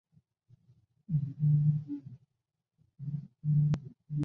市内有一城市博物馆和一个画廊。